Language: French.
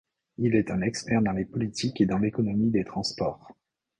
Il est un expert dans les politiques et dans l’économie des transports.